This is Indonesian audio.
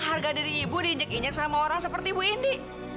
harga diri ibu diinjek injek sama orang seperti ibu indi